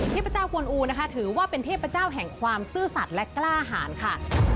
เทพเจ้ากวนอูนะคะถือว่าเป็นเทพเจ้าแห่งความซื่อสัตว์และกล้าหารค่ะ